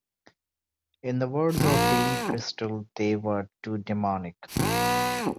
In the words of Hilly Kristal they were "too demonic".